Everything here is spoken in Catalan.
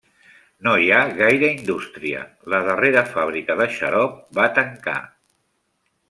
No hi ha gaire indústria: la darrera fàbrica de xarop va tancar.